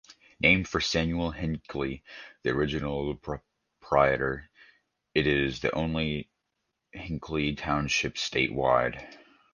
Named for Samuel Hinckley, the original proprietor, it is the only Hinckley Township statewide.